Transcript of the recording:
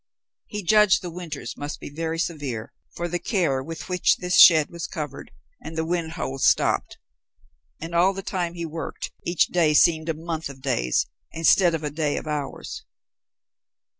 He judged the winters must be very severe for the care with which this shed was covered and the wind holes stopped. And all the time he worked each day seemed a month of days, instead of a day of hours.